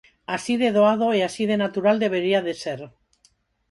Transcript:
Así de doado e así de natural debería de ser.